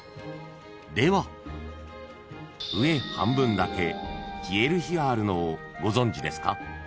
［では上半分だけ消える日があるのをご存じですか？］